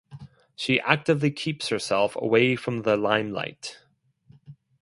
She actively keeps herself away from the limelight.